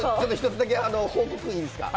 １つだけ報告いいですか？